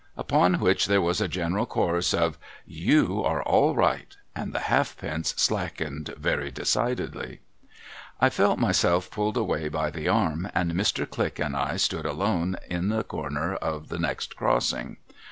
Upon which there was a general chorus of ' Vou are all right,' and the halfpence slackened very decidedly. I felt myself pulled away by the arm, and Mr. Click and I stood alone at the corner of the next crossing.